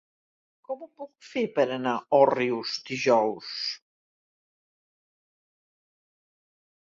Com ho puc fer per anar a Òrrius dijous?